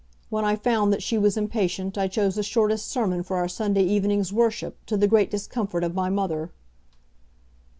When I found that she was impatient I chose the shortest sermon for our Sunday evening's worship, to the great discomfort of my mother."